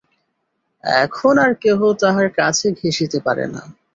এখন আর কেহ তাহার কাছে ঘেঁসিতে পারে না।